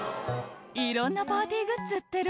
「いろんなパーティーグッズ売ってる」